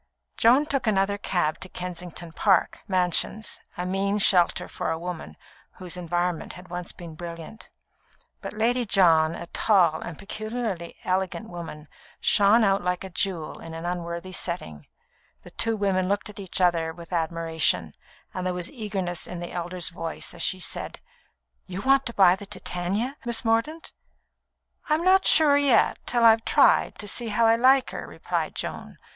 Joan took another cab to Kensington Park Mansions a mean shelter for a woman whose environment had once been brilliant. But Lady John, a tall and peculiarly elegant woman, shone out like a jewel in an unworthy setting. The two women looked at each other with admiration, and there was eagerness in the elder's voice as she said: "You want to buy the Titania, Miss Mordaunt?" "I'm not sure yet, till I've tried, to see how I like her," replied Joan.